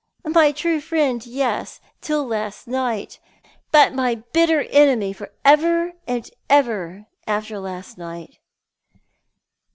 " My true friend, yes, till last night ; but my bitter enemy for ever and ever after last night."